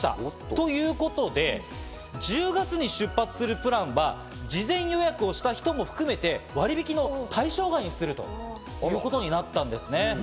ということで、１０月に出発するプランは事前予約をした人も含めて割引の対象外にするということになったんですね。